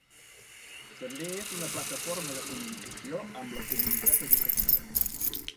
També és una plataforma de comunicació amb la comunitat educativa.